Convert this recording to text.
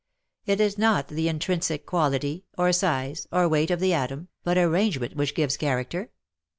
It is not the intrinsic quaHty, or size, or weight of the atom, but ar^^angement which gives character.